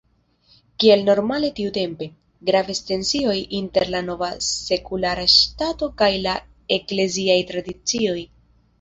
Kiel normale tiutempe, gravis tensioj inter la nova sekulara ŝtato kaj la ekleziaj tradicioj.